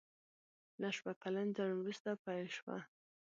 له شپږ کلن ځنډ وروسته پېل شوه.